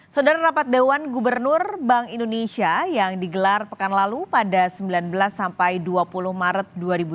saudara rapat dewan gubernur bank indonesia yang digelar pekan lalu pada sembilan belas sampai dua puluh maret dua ribu delapan belas